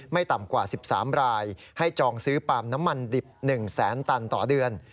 ต่ำกว่า๑๓รายให้จองซื้อปาล์มน้ำมันดิบ๑แสนตันต่อเดือน